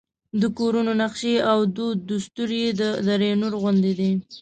د کورونو نقشې او دود دستور یې د دره نور غوندې دی.